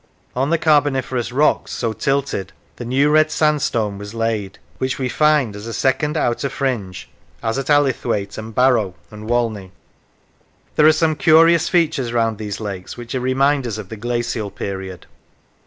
On the Carboniferous rocks so tilted, the New Red Sandstone was laid which we find as a second, outer fringe, as at Allithwaite and Barrow and Walney. There are some curious features round these lakes which are reminders of the glacial period.